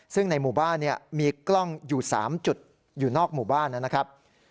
ซึ่งในหมู่บ้านมีกล้องอยู่๓จุดอยู่นอกหมู่บ้านนะครับ